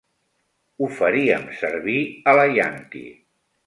Ho faríem servir a la ianqui.